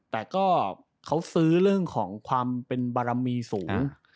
แต่ก็เขาซื้อเรื่องของความเป็นบารมีสูง